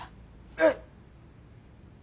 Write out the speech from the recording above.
えっ。